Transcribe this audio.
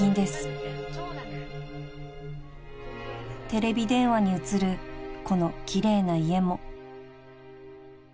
［テレビ電話に映るこの奇麗な家も］